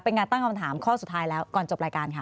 เป็นงานตั้งคำถามข้อสุดท้ายแล้วก่อนจบรายการค่ะ